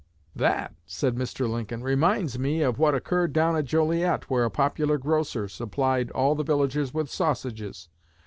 'That,' said Mr. Lincoln, 'reminds me of what occurred down at Joliet, where a popular grocer supplied all the villagers with sausages.